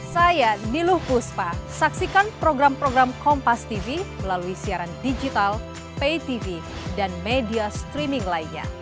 saya niluh kuspa saksikan program program kompastv melalui siaran digital paytv dan media streaming lainnya